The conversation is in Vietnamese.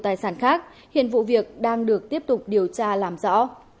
các bạn làm rõ